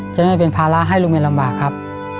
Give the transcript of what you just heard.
จะไม่เป็นภาระให้ลูกเมียลำบากครับ